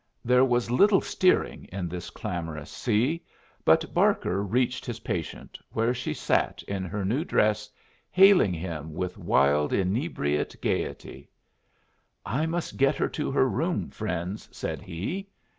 There was little steering in this clamorous sea; but Barker reached his patient, where she sat in her new dress, hailing him with wild inebriate gayety. "I must get her to her room, friends," said he.